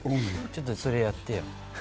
ちょっとそれをやってよ。